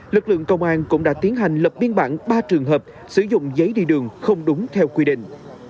lực lượng công an cũng đã tiến hành lập biên bản ba trường hợp sử dụng giấy đi đường không đúng theo quy định